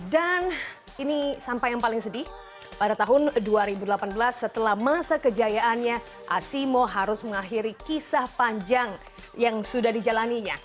dan ini sampai yang paling sedih pada tahun dua ribu delapan belas setelah masa kejayaannya asimo harus mengakhiri kisah panjang yang sudah dijalannya